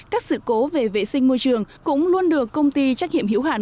các sự cố về vệ sinh môi trường cũng luôn được công ty trách hiểm hữu hạn